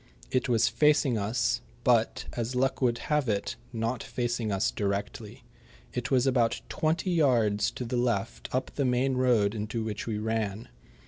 It was facing us, but, as luck would have it, not facing us directly. It was about twenty yards to the left up the main road into which we ran.